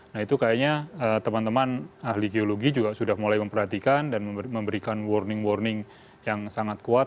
nah itu kayaknya teman teman ahli geologi juga sudah mulai memperhatikan dan memberikan warning warning yang sangat kuat